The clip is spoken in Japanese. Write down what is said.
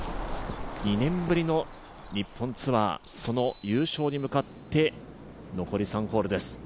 ２年ぶりの日本ツアー、その優勝に向かって残り３ホールです。